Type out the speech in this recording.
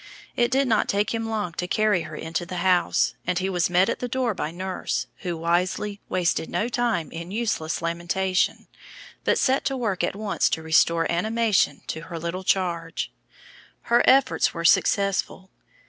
It did not take him long to carry her into her house, and he was met at the door by nurse, who wisely wasted no time in useless lamentation, but set to work at once to restore animation to her little charge. Her efforts were successful.